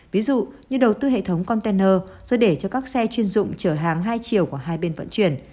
ví dụ như đầu tư hệ thống container rồi để cho các xe chuyên dụng chở hàng hai chiều của hai bên vận chuyển